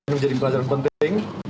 menjadi pelajaran penting